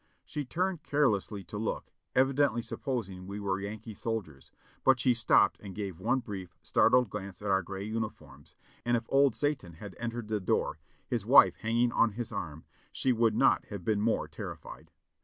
She turned carelessly to look, evidently supposing we were Yankee soldiers, but she stopped and gave one brief, startled glance at our gray uniforms, and if old Satan had entered the door, his wife hanging on his arm, she would not have been more terrified.